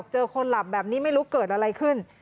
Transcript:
เจอคนหลับแบบนี้ไม่รู้เกิดอะไรขึ้น